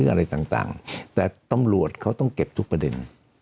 อะไรต่างแต่ตำรวจเขาต้องเก็บทุกประเด็น